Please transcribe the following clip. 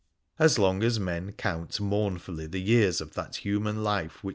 As long as men count mournfully the years of that human life which M.